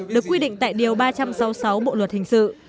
được quy định tại điều ba trăm sáu mươi sáu bộ luật hình sự